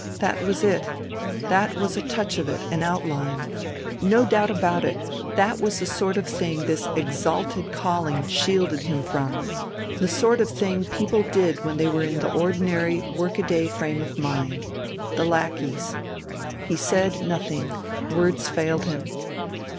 That was it. That was a touch of it, an outline! No doubt about it, that was the sort of thing his "exalted calling" shielded him from, the sort of thing people did when they were in the ordinary, work a day frame of mind. The lackeys.... He said nothing, words failed him.